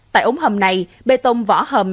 tại ống hầm này bê tông vỏ hầm